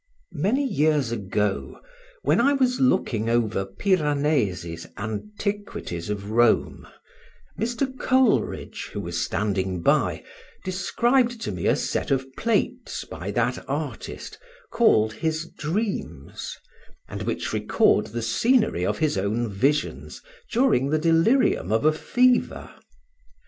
Many years ago, when I was looking over Piranesi's Antiquities of Rome, Mr. Coleridge, who was standing by, described to me a set of plates by that artist, called his Dreams, and which record the scenery of his own visions during the delirium of a fever.